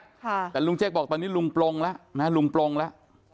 แต่บอกแต่ลุงเจคตอนนี้โดดลงละรุ่นปรงละ